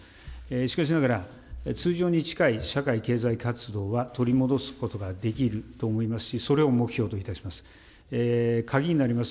しかしながら、通常に近い社会、経済活動は取り戻すことができると思いますし、それを目標といたします。